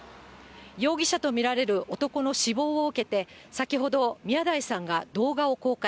容疑者と見られる男の死亡を受けて、先ほど、宮台さんが動画を公開。